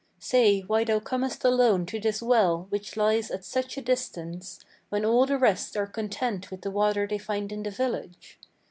Say why thou comest alone to this well which lies at such a distance, When all the rest are content with the water they find in the village?